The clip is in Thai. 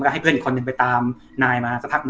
ก็ให้เพื่อนนึงไปตามนายมา